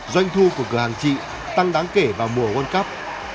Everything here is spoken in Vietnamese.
doanh thu của cửa hàng chị tăng đáng kể vào mùa world cup